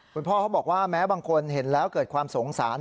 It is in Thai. คุณพ่อเขาบอกว่าแม้บางคนเห็นแล้วเกิดความสงสาร